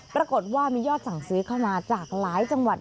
ปรากฏว่ามียอดสั่งซื้อเข้ามาจากหลายจังหวัด